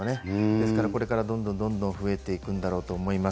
ですから、これからどんどんどんどん増えていくんだろうと思いま